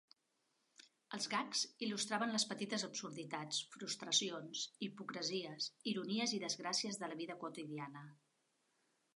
Els gags il·lustraven les petites absurditats, frustracions, hipocresies, ironies i desgràcies de la vida quotidiana.